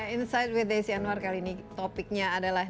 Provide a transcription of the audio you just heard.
insight with desi anwar kali ini topiknya adalah